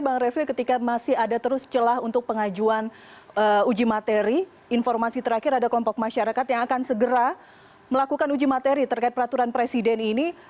bang refli ketika masih ada terus celah untuk pengajuan uji materi informasi terakhir ada kelompok masyarakat yang akan segera melakukan uji materi terkait peraturan presiden ini